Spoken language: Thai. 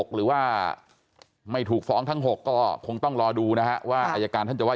หรือว่าไม่ถูกฟ้องทั้ง๖ก็คงต้องรอดูนะฮะว่าอายการท่านจะว่า